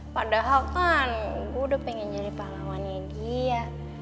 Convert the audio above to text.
padahal kan gue udah pengen jadi pahlawannya dia